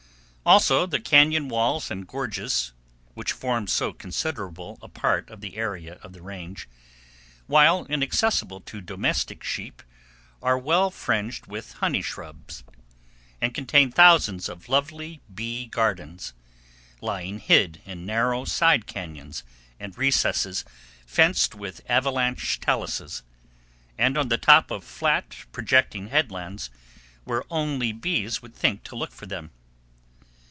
Also the cañon walls and gorges, which form so considerable a part of the area of the range, while inaccessible to domestic sheep, are well fringed with honey shrubs, and contain thousands of lovely bee gardens, lying hid in narrow side cañons and recesses fenced with avalanche taluses, and on the top of flat, projecting headlands, where only bees would think to look for them.